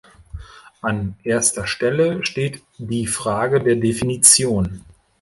An erster Stelle steht die Frage der Definition.